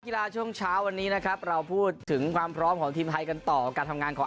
กีฬาช่วงเช้าวันนี้นะครับเราพูดถึงความพร้อมของทีมไทยกันต่อการทำงานของ